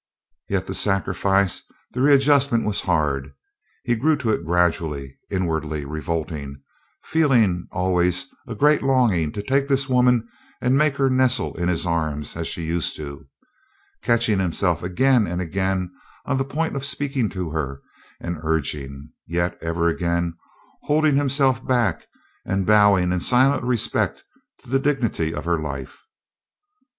Yet the sacrifice, the readjustment was hard; he grew to it gradually, inwardly revolting, feeling always a great longing to take this woman and make her nestle in his arms as she used to; catching himself again and again on the point of speaking to her and urging, yet ever again holding himself back and bowing in silent respect to the dignity of her life.